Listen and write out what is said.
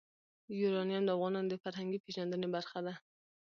یورانیم د افغانانو د فرهنګي پیژندنې برخه ده.